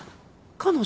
彼女？